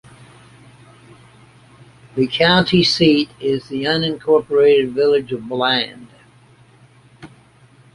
The county seat is the unincorporated village of Bland.